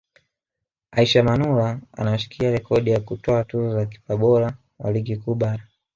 Aishi Manula anashikilia rekodi ya kutwaa tuzo za kipa bora wa Ligi Kuu Bara